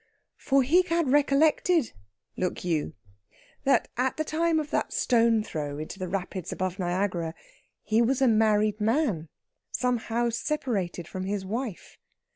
For he had recollected, look you, that at the time of that stone throw into the rapids above Niagara he was a married man somehow separated from his wife.